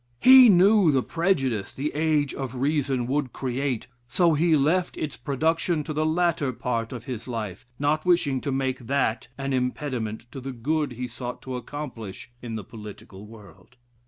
He knew the prejudice the "Age of Reason" would create, so he left its production to the latter part of his life, not wishing to make that an impediment to the good he sought to accomplish in the Political world.